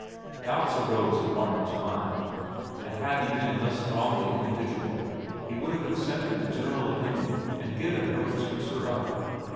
Doubts arose in Martin's mind, and had he been less strongly individual he would have accepted the general opinion and given Herbert Spencer up.